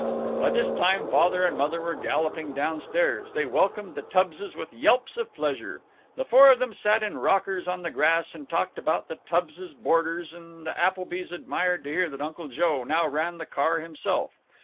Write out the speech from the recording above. By this time Father and Mother were galloping down stairs. They welcomed the Tubbses with yelps of pleasure; the four of them sat in rockers on the grass and talked about the Tubbses' boarders, and the Applebys admired to hear that Uncle Joe now ran the car himself.